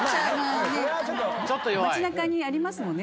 街中にありますもんね。